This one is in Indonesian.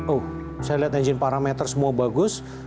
oh saya lihat engine parameter semua bagus